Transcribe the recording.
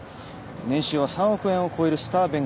年収は３億円を超えるスター弁護士。